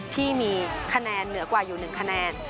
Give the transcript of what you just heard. ที่มีคะแนนเหนือกว่าอยู่๑คะแนน